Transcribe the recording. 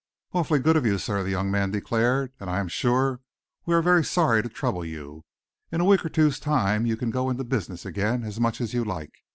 "Awfully good of you, sir," the young man declared, "and I am sure we are very sorry to trouble you. In a week or two's time you can go into business again as much as you like.